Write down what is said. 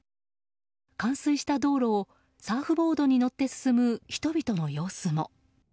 冠水した道路をサーフボードに乗って進む人々の様子も。